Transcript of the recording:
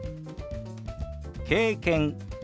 「経験」。